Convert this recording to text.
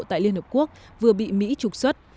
tại liên hợp quốc vừa bị mỹ trục xuất